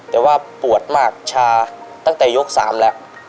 แต่ว่าปวดมากชาตั้งแต่ยก๓แล้ว